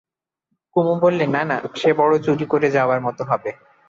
কুমু বললে, না, না, সে বড়ো চুরি করে যাওয়ার মতো হবে।